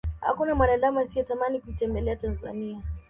hakuna mwanadamu asiyetamani kuitembelea tanzania